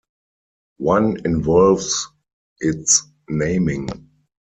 One involves its naming.